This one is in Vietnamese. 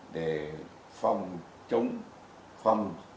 để phòng chống phòng